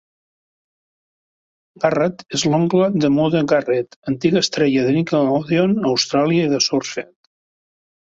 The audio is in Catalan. Garrett és l'oncle de Maude Garrett, antiga estrella de Nickelodeon Austràlia i de SourceFed.